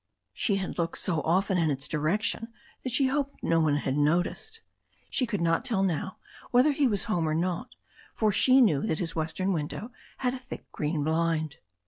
She had looked so often in its direction that she hoped no one had noticed. She could not tell now whether he was home or not, for she knew that his western window had a thick green blind.